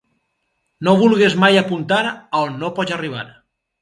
No vulgues mai apuntar a on no pots arribar.